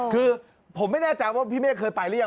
คือผมไม่แน่ใจว่าพี่เมฆเคยไปหรือยัง